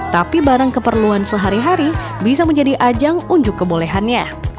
tapi barang keperluan sehari hari bisa menjadi ajang unjuk kebolehannya